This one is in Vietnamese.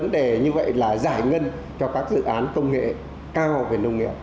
để như vậy là giải ngân cho các dự án công nghệ cao về nông nghiệp